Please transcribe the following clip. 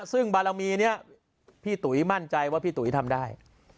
ซึ่งบารมีนี้พี่ตุ๋ยมั่นใจว่าพี่ตุ๋ยทำได้